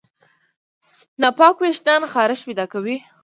ناپاک وېښتيان خارښت پیدا کوي.